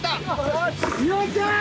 よっしゃ！